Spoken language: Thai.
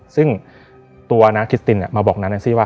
ซึ่งตัวนางคิสตินมาบอกน้าแอนซี่ว่า